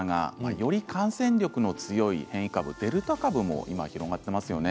より感染力の強い変異株デルタ株も今広がっていますよね。